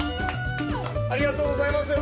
ありがとうございます。